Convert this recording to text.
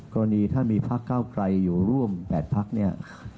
กรณีถ้ามีพักเก้าไกลอยู่ร่วม๘พักเนี่ย